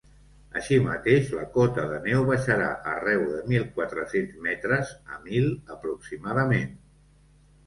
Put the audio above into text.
Així mateix la cota de neu baixarà arreu de mil quatre-cents metres a mil, aproximadament.